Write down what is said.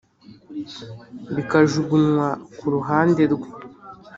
bikajugunywa kuruhande rwe